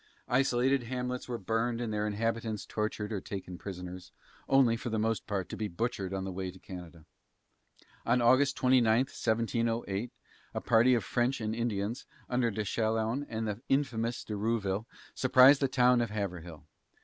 Isolated hamlets were burned, and their inhabitants tortured or taken prisoners, only, for the most part, to be butchered on the way to Canada. On August 29, 1708, a party of French and Indians, under De Chaillons and the infamous De Rouville, surprised the town of Haverhill.